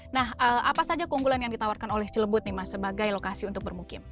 nah apa saja keunggulan yang ditawarkan oleh cilebut nih mas sebagai lokasi untuk bermukim